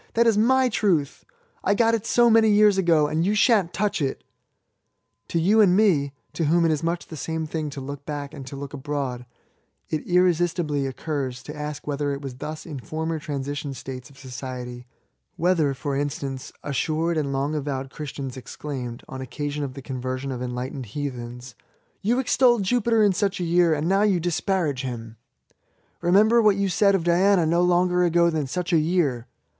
that i is my truth ; I got it so many years ago, and you { shan't touch it !'' To you and me (to whom it is i much the same thing to look back and to look abroad), it irresistibly occurs to ask whether it was j thus in former transition states of society ; whether^ i LIFE TO THE INVALID. 77 for instance^ assured and long avowed Christians exclaimed^ on occasion of the conversion of en lightened heathens — ''You extolled Jupiter in such a year^ and now you disparage him." ''Be member what you said of Diana no longer ago than such a year!"